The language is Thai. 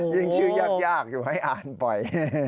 ยังชื่อยากอยู่ไว้อ่านปล่อย